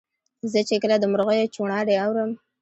زه چي کله د مرغیو چوڼاری اورم